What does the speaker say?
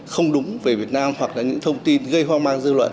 không đúng về việt nam hoặc là những thông tin gây hoang mang dư luận